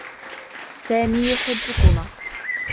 سامي يحبّكما.